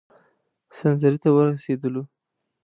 سنځري ته ورسېدلو.